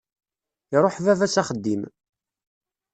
Iruḥ baba s axeddim.